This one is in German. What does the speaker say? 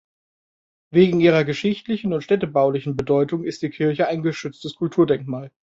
Wegen ihrer geschichtlichen und städtebaulichen Bedeutung ist die Kirche ein geschütztes Kulturdenkmal.